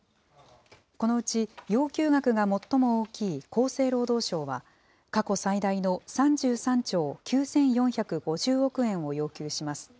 このうち要求額が最も大きい厚生労働省は、過去最大の３３兆９４５０億円を要求します。